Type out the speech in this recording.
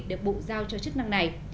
được bộ giao cho chức năng này